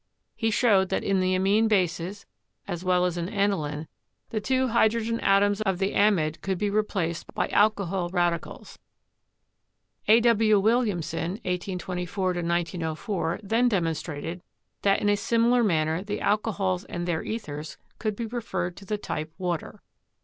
He showed that in the amine bases, as well as in aniline, the two hydrogen atoms of the amide could be replaced by alcohol radicals. A. W. Williamson (1824 1904) then demonstrated that in a similar manner the alco hols and their ethers could be referred to the type water.